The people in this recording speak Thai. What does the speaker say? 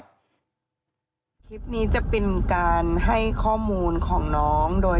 เขาเรียกว่าไงอย่าเพิ่งมาถามข้อมูลแบบลึก